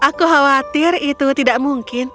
aku khawatir itu tidak mungkin